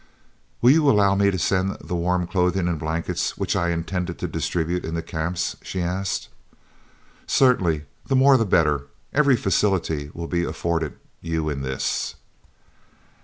"Will you allow me to send the warm clothing and blankets which I intended to distribute in the Camps?" she asked. "Certainly, the more the better. Every facility will be afforded you in this."